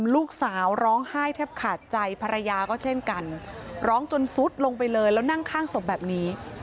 ลูกสาวร้องไห้แทบขาดใจภรรยาก็เช่นกันร้องจนซุดลงไปเลยแล้วนั่งข้างศพแบบนี้